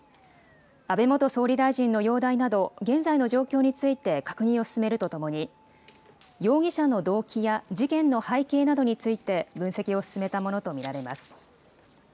安倍元総理大臣の容体など、現在の状況について確認を進めるとともに、容疑者の動機や事件の背景などについて、分析を進めたものと見られます。